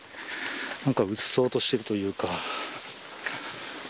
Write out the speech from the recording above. うっそうとしているというか。